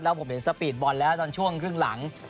แล้วผมเห็นสปีดบอลแล้วตอนช่วงครึ่งหลัง